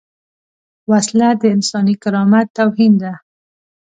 وسله د انساني کرامت توهین ده